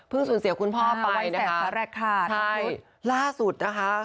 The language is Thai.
เพิ่งสูญเสียคุณพ่อไปนะคะใช่ล่าสุดนะคะ